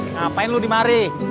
ngapain lu di mari